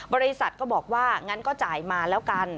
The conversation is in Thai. บริษัทก็บอกว่างั้นก็จ่ายมาแล้วกัน